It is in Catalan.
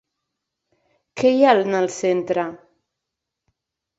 Què hi ha en el centre?